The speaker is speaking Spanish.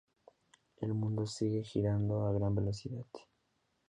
El mundo sigue girando a gran velocidad.